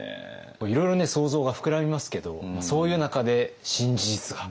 いろいろね想像が膨らみますけどそういう中で新事実が。